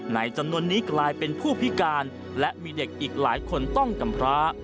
ในจำนวนนี้กลายเป็นผู้พิการและมีเด็กอีกหลายคนต้องกำพร้า